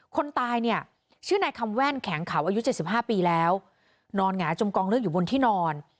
คนตายเนี่ยชื่อนายคำแว่นแข็งเขาอายุ๗๕ปีแล้วนอนหงายจมกองเลือดอยู่บนที่นอน